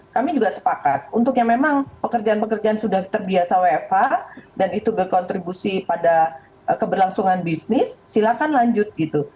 kami juga sepakat untuk yang memang pekerjaan pekerjaan sudah terbiasa wfh dan itu berkontribusi pada keberlangsungan bisnis silakan lanjut gitu